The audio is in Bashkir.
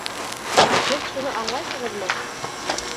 Һеҙ шуны аңлайһығыҙмы?